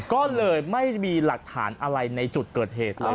ก็เลยไม่มีหลักฐานอะไรในจุดเกิดเหตุเลย